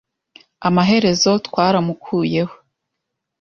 Amaherezo, twaramukuyeho.